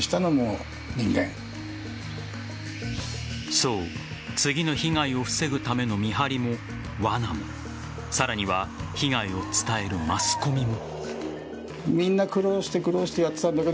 そう次の被害を防ぐための見張りもわなも、さらには被害を伝えるマスコミも。